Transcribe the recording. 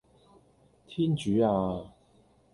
天主呀